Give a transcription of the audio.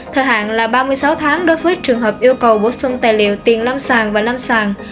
thời hạn là ba mươi sáu tháng đối với trường hợp yêu cầu bổ sung tài liệu tiền lâm sàng và lâm sàng